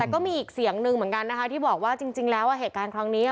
แต่ก็มีอีกเสียงหนึ่งเหมือนกันนะคะที่บอกว่าจริงแล้วเหตุการณ์ครั้งนี้